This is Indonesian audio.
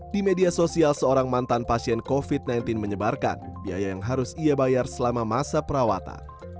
di media sosial seorang mantan pasien covid sembilan belas menyebarkan biaya yang harus ia bayar selama masa perawatan